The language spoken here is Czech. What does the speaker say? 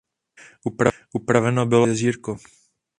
Upraveno bylo i malé jezírko.